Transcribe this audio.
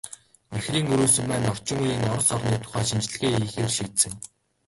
Ихрийн өрөөсөн маань орчин үеийн Орос орны тухай шинжилгээ хийхээр шийдсэн.